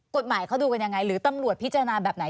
กฎหมายเขาดูกันยังไงหรือตำรวจพิจารณาแบบไหน